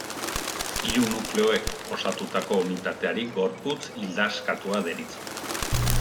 Hiru nukleoek osatutako unitateari gorputz ildaskatua deritzo.